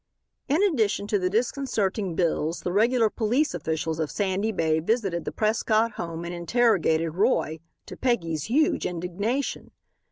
In addition to the disconcerting bills the regular police officials of Sandy Bay visited the Prescott home and interrogated Roy, to Peggy's huge indignation.